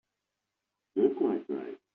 You are quite right.